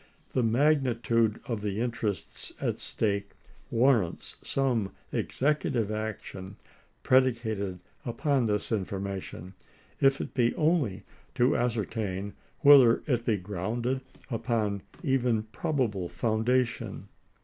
The magnitude of the interests at stake warrants some executive action predicated upon this information, if it be only to ascertain whether it be grounded upon even prob able foundation.